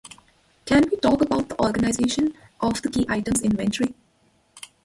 Can we talk about the organization of the Key Items inventory?